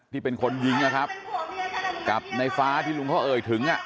ที่เป็นคนยิงนะครับกับในฟ้าที่ลุงเขาเอ่ยถึงอ่ะ